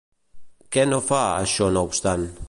Què no fa, això no obstant?